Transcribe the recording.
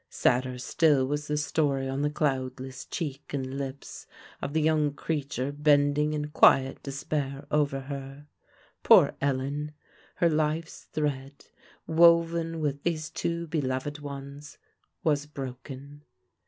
Sadder still was the story on the cloudless cheek and lips of the young creature bending in quiet despair over her. Poor Ellen! her life's thread, woven with these two beloved ones, was broken.